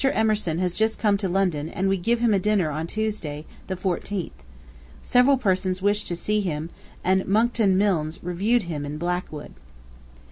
Emerson has just come to London and we give him a dinner on Tuesday, the 14th. Several persons wish much to see him, and Monckton Milnes reviewed him in Blackwood.